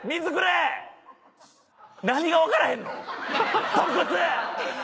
何が分からへんの？